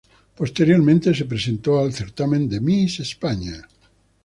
Posteriormente se presentó al certamen de Miss España.